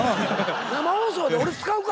生放送で俺使うか！